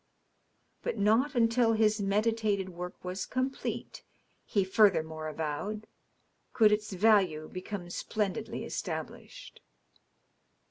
But not until his meditated work was complete, he furthermore avowed, could its value become splendidly established.